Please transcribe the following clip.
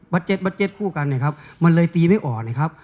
บัดเจ็ดบัดเจ็ดคู่กันครับมันเลยตีไม่อ่อนครับ